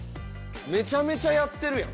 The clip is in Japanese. めちゃめちゃやってるやん。